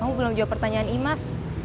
kamu belum jawab pertanyaan imas